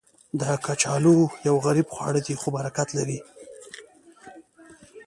کچالو یو غریب خواړه دی، خو برکت لري